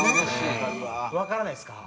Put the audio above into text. わからないですか？